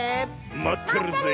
まってるぜえ。